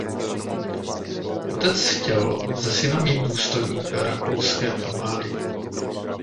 Otec chtěl ze syna mít důstojníka rakouské armády.